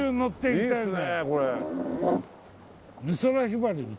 いいですねこれ。